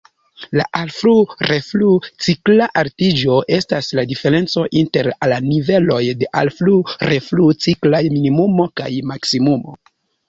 La "alflu-reflu-cikla altiĝo" estas la diferenco inter la niveloj de alflu-reflu-ciklaj minimumo kaj maksimumo.